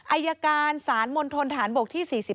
อัยการสารมนตรฐานบกที่๔๕